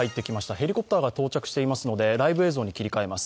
ヘリコプターが到着していますので、ライブ映像に切り替えます。